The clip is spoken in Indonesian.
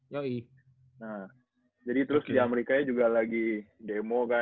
nah jadi terus di amerika juga lagi demo kan